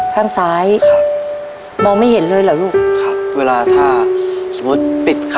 ทับผลไม้เยอะเห็นยายบ่นบอกว่าเป็นยังไงครับ